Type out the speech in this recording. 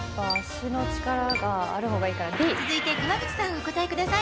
続いて、川口さんお答えください。